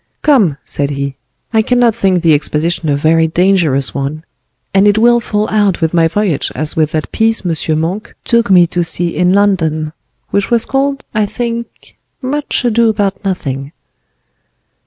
"Come," said he, "I cannot think the expedition a very dangerous one; and it will fall out with my voyage as with that piece M. Monk took me to see in London, which was called, I think, 'Much Ado about Nothing.